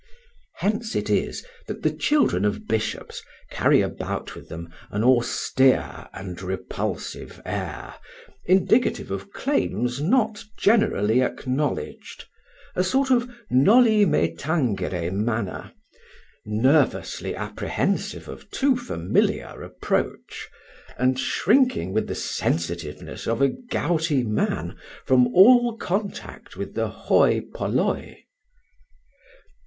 Hence it is that the children of bishops carry about with them an austere and repulsive air, indicative of claims not generally acknowledged, a sort of noli me tangere manner, nervously apprehensive of too familiar approach, and shrinking with the sensitiveness of a gouty man from all contact with the οι πολλοι.